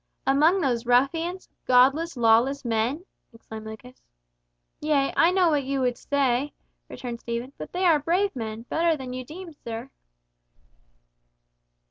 "Among those ruffians—godless, lawless men!" exclaimed Lucas. "Yea, I know what you would say," returned Stephen, "but they are brave men, better than you deem, sir."